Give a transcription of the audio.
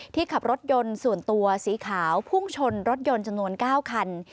ขับรถยนต์ส่วนตัวสีขาวพุ่งชนรถยนต์จำนวน๙คัน